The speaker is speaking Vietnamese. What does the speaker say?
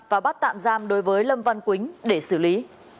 và bắt tạm giam đối với lâm văn quýnh để xử lý